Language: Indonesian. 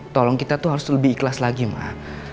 tolong kita tuh harus lebih ikhlas lagi mah